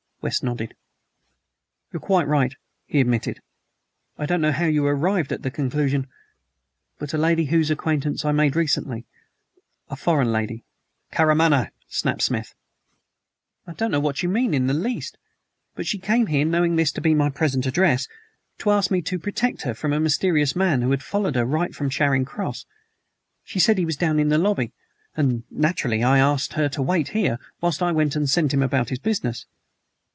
West nodded. "You're quite right," he admitted. "I don't know how you arrived at the conclusion, but a lady whose acquaintance I made recently a foreign lady." "Karamaneh!" snapped Smith. "I don't know what you mean in the least, but she came here knowing this to be my present address to ask me to protect her from a mysterious man who had followed her right from Charing Cross. She said he was down in the lobby, and naturally, I asked her to wait here whilst I went and sent him about his business."